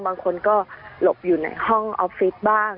บางคนก็หลบอยู่ในห้องออฟฟิศบ้าง